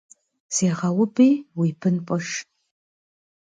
Зегъэуби уи бын пӏыж.